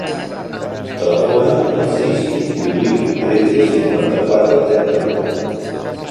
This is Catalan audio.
Telefona al sis, vint-i-vuit, tretze, cinquanta-quatre, trenta-nou.